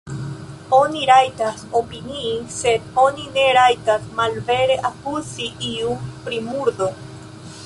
Oni rajtas opinii, sed oni ne rajtas malvere akuzi iun pri murdo.